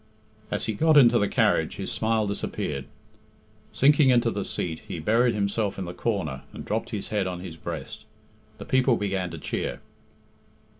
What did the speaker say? As he got into the carriage his smile disappeared. Sinking into the seat, he buried himself in the corner and dropped his head on his breast. The people began to cheer.